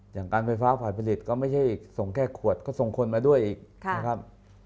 การไฟฟ้าฝ่ายผลิตก็ไม่ใช่ส่งแค่ขวดก็ส่งคนมาด้วยอีกนะครับ